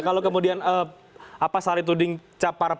kalau kemudian sari tuding capar